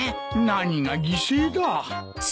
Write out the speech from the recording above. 何が犠牲だ。